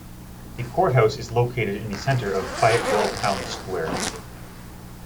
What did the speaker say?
The courthouse is located in the center of the Fayetteville town square.